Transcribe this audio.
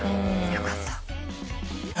よかった。